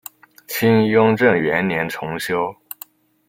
清雍正元年重修。